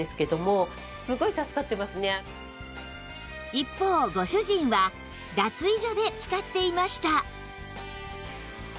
一方ご主人は脱衣所で使っていました